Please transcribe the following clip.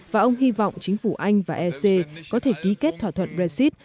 và ông hy vọng chính phủ anh và ec có thể ký kết thỏa thuận brexit